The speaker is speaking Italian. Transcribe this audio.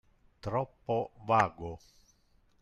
troppo vago!